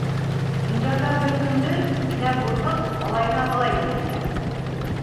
Көндәрҙән-бер көндө Инә Бурһыҡ малайына былай тип әйтә: